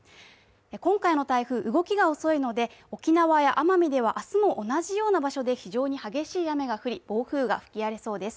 今回の台風、動きが遅いので、沖縄や奄美では明日も同じような場所で非常に激しい雨が降り、暴風雨が吹き荒れそうです。